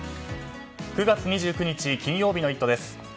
９月２９日、金曜日の「イット！」です。